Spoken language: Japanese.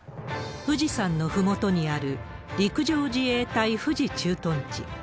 富士山のふもとにある、陸上自衛隊富士駐屯地。